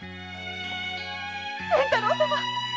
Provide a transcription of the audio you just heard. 源太郎様。